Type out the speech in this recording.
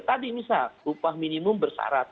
tadi misal upah minimum bersarat